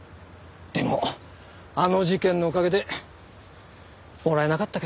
でもあの事件のおかげでもらえなかったけど。